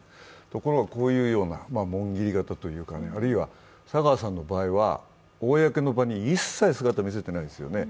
ところが、こういうような紋切り型というか、あるいは佐川さんの場合は公の場に一切姿を見せていないですよね。